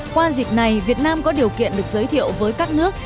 qua dịp này việt nam có điều kiện được giới thiệu với các nước